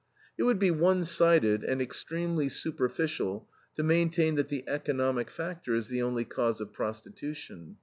It would be one sided and extremely superficial to maintain that the economic factor is the only cause of prostitution.